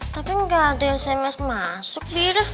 tapi gak ada yang sms masuk bira